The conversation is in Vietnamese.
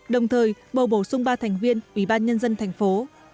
đồng thời bầu bổ sung ba thành viên ubnd thành phố